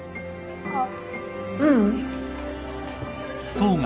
あっううん。